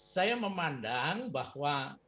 saya memandang bahwa